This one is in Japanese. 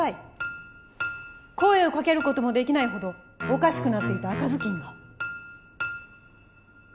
声をかける事もできないほどおかしくなっていた赤ずきんが？